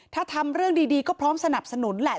ถ้าทำเรื่องดีก็พร้อมสนับสนุนแหละ